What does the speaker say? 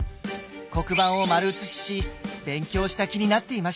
黒板を丸写しし勉強した気になっていました。